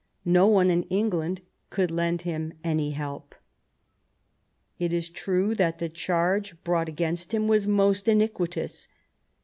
No one in England could lend him any help. It is true that the charge brought against him was most iniquitous.